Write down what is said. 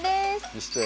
見して。